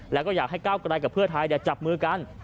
แล้วก็อยากให้ก้าวกลายกับเพื่อไทยจับมือกัน